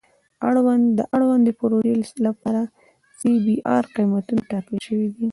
د اړوندې پروژې لپاره سی بي ار قیمتونه ټاکل شوي دي